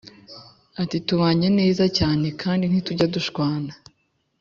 Ati tubanye neza cyane kandi ntitujya dushwana